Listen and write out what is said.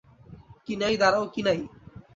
কিনাই, দাঁড়াও, কিনাই!